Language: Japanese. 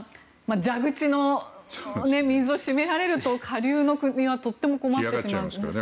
蛇口の水を閉められると下流の国はとっても困っちゃいますよね。